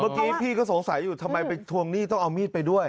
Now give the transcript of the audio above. เมื่อกี้พี่ก็สงสัยอยู่ทำไมไปทวงหนี้ต้องเอามีดไปด้วย